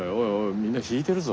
みんな引いてるぞ。